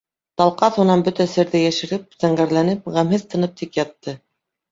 Талҡаҫ унан бөтә серҙе йәшереп, зәңгәрләнеп, ғәмһеҙ тынып тик ятты.